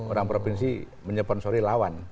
orang provinsi menyebonsori lawan